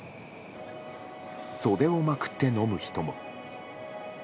袖をまくって飲む人も。